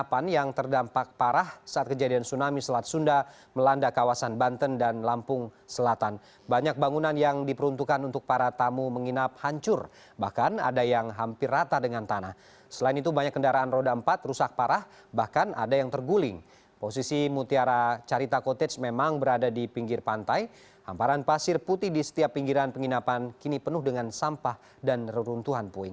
pantai ini menjadi spot terbaik untuk melihat sunset